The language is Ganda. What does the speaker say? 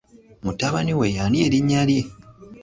Mutabani we y'ani erinnya lye?